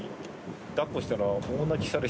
だっこしたら。